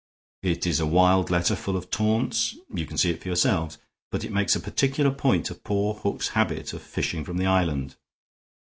It is a wild letter, full of taunts; you can see it for yourselves; but it makes a particular point of poor Hook's habit of fishing from the island.